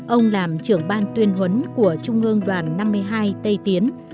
ông làm trưởng ban tuyên huấn của trung ương đoàn năm mươi hai tây tiến